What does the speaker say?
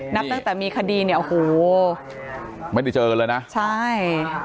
นับตั้งแต่มีคดีเนี่ยโอ้โหไม่ได้เจอกันเลยนะใช่